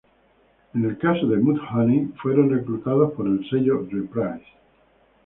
En el caso de Mudhoney fueron reclutados por el sello Reprise.